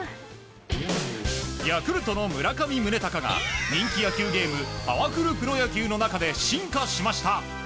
ヤクルトの村上宗隆が人気野球ゲーム「パワフルプロ野球」の中で進化しました。